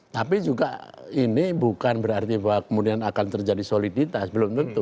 tapi juga ini bukan berarti bahwa kemudian akan terjadi soliditas belum tentu